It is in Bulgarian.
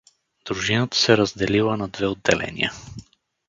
Дружината се разделила на две отделения.